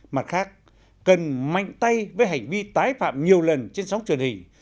mặt khác cần mạnh tay với hành vi tái phạm nhiều lần trên sóng truyền hình